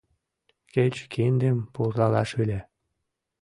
Кеч киндым пурлалаш ыле.